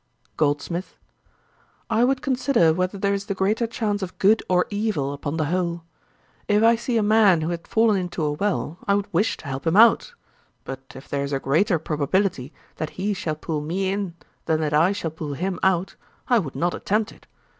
GOLDSMITH. 'I would consider whether there is the greater chance of good or evil upon the whole. If I see a man who had fallen into a well, I would wish to help him out; but if there is a greater probability that he shall pull me in, than that I shall pull him out, I would not attempt it.